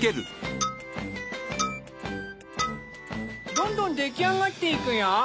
どんどん出来上がっていくよ！